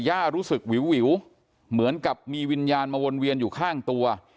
รู้สึกวิวเหมือนกับมีวิญญาณมาวนเวียนอยู่ข้างตัว